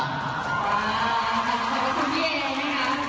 ขอบคุณทุกคนค่ะ